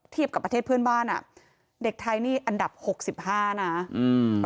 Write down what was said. กับประเทศเพื่อนบ้านอ่ะเด็กไทยนี่อันดับหกสิบห้านะอืม